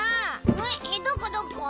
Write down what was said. えどこどこ？